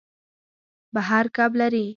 بحر کب لري.